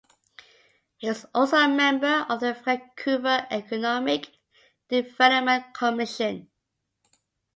He was also a member of the Vancouver Economic Development Commission.